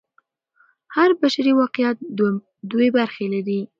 هر بشري واقعیت دوې برخې لري.